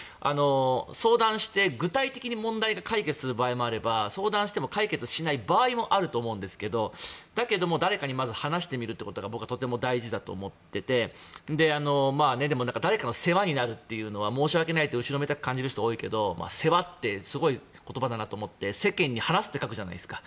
相談して具体的に問題解決する場合もあれば解決しない場合もありますがとにかく誰かに話すことが僕はとても大事だと思っていてでも誰かの世話になるというのは申し訳ないと後ろめたく感じる人が多いけど世話ってすごい言葉だなと思って世間に話すって書くじゃないですか。